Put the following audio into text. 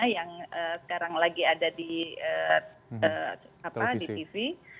yang sekarang lagi ada di tv